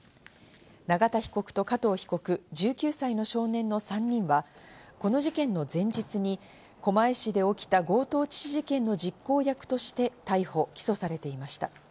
永田被告と加藤被告、１９歳の少年の３人はこの事件の前日に狛江市で起きた強盗致死事件の実行役として逮捕・起訴されていました。